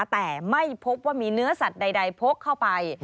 แต่ไม่พบว่ามีเนื้อสัตว์ใดพกเข้าไป